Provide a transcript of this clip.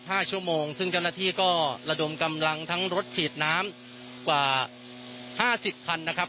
ห้าชั่วโมงซึ่งเจ้าหน้าที่ก็ระดมกำลังทั้งรถฉีดน้ำกว่าห้าสิบคันนะครับ